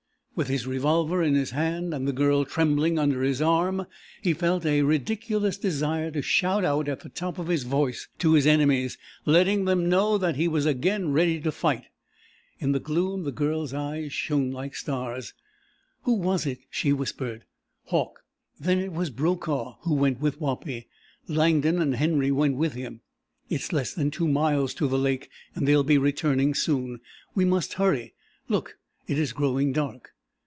With his revolver in his hand, and the Girl trembling under his arm, he felt a ridiculous desire to shout out at the top of his voice to his enemies letting them know that he was again ready to fight. In the gloom the Girl's eyes shone like stars. "Who was it?" she whispered. "Hauck." "Then it was Brokaw who went with Wapi. Langdon and Henry went with him. It is less than two miles to the lake, and they will be returning soon. We must hurry! Look it is growing dark!"